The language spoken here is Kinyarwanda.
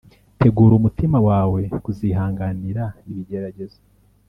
tegura umutima wawe kuzihanganira ibigeragezo